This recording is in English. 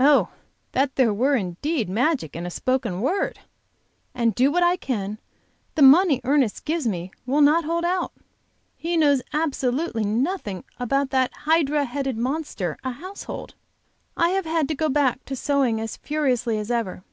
Oh, that there were indeed magic in a spoken word! And do what I can, the money Ernest gives me will not hold out. He knows absolutely nothing about that hydra headed monster, a household. I have had to go back to sewing as furiously as ever.